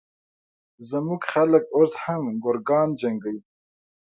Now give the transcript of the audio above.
زموږ خلک اوس هم کرکان جنګوي